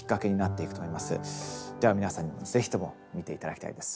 では皆さんにもぜひとも見て頂きたいです。